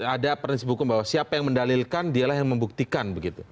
ada prinsip hukum bahwa siapa yang mendalilkan dialah yang membuktikan begitu